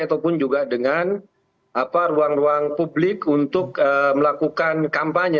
ataupun juga dengan ruang ruang publik untuk melakukan kampanye